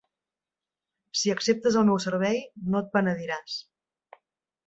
Si acceptes el meu servei, no et penediràs.